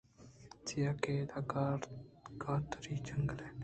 چیاکہ ادءَ کاہ تِرّی جنگل اِنت